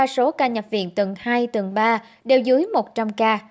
ba số ca nhập viện tầng hai tầng ba đều dưới một trăm linh ca